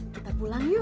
kita pulang yuk